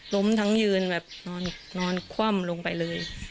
ล้มทั้งยืนแบบนอนคว่ำลงไปเลย